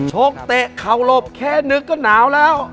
กเตะเข่าหลบแค่นึกก็หนาวแล้ว